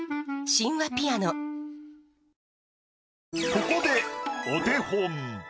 ここでお手本。